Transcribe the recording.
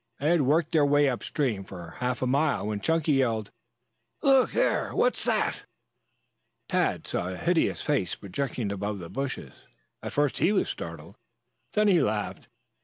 They had worked their way upstream for half a mile when Chunky yelled: "Look there! What's that?" Tad saw a hideous head projecting above the bushes. At first he was startled, then he laughed.